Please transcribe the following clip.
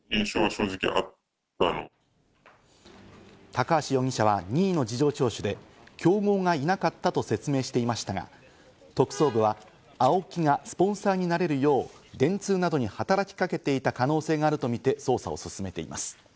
高橋容疑者は任意の事情聴取で競合がいなかったと説明していましたが、特捜部はＡＯＫＩがスポンサーになれるよう電通などに働きかけていた可能性があるとみて捜査を進めています。